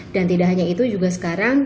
dan tidak hanya itu juga sekarang